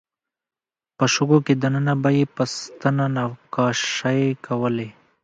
په شګو کې دننه به یې په ستنه نقاشۍ کولې.